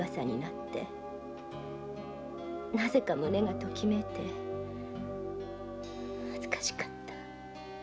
なぜか胸がときめいて恥ずかしかったでもうれしかった。